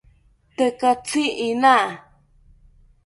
Tekatzi iina